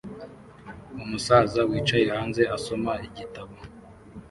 Umusaza wicaye hanze asoma igitabo